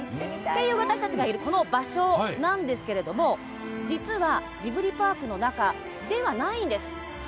私たちがいるこの場所なんですが実は、ジブリパークの中ではないんです。